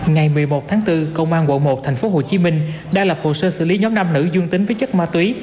ngày một mươi một tháng bốn công an quận một tp hcm đã lập hồ sơ xử lý nhóm nam nữ dương tính với chất ma túy